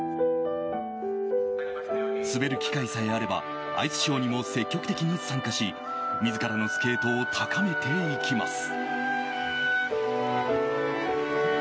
滑る機会さえあればアイスショーにも積極的に参加し自らのスケートを高めていきます。